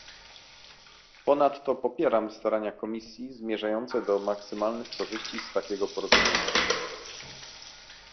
Ponadto popieram starania Komisji zmierzające do maksymalnych korzyści z takiego porozumienia